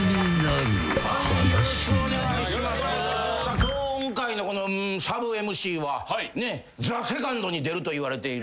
今回のこのサブＭＣは『ＴＨＥＳＥＣＯＮＤ』に出るといわれている。